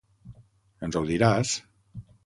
Ens ho diràs?